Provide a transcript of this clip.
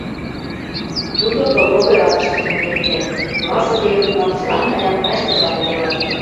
Тудо торговый ратыш миен лекте — оласе кевыт-влак чылан гаяк лач тышан верланеныт.